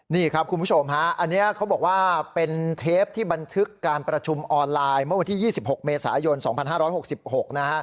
นี่ครับคุณผู้ชมฮะอันนี้เขาบอกว่าเป็นเทปที่บันทึกการประชุมออนไลน์เมื่อวันที่๒๖เมษายน๒๕๖๖นะฮะ